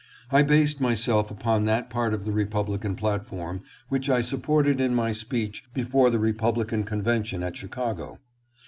I based myself upon that part of the Republican platform which I supported in my speech before the Republican convention at Chicago.